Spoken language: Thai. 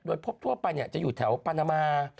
โดยพบทั่วไปจะอยู่แถวปานามา